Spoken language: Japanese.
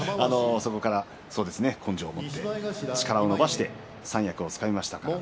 そこから根性を持って力を伸ばして三役をつかみました。